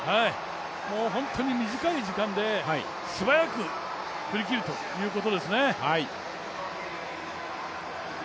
ホントに短い時間で素早く振り切るということですね。